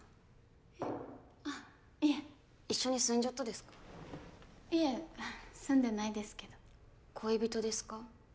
えっ？あっいえ一緒に住んじょっとですかいえ住んでないですけど恋人ですか？